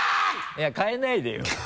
いや変えないでよ。